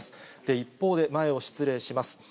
一方で前を失礼します。